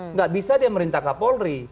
nggak bisa dia merintah kapolri